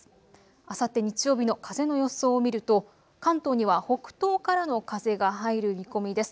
あさって日曜日の風の予想を見ると関東には北東からの風が入る見込みです。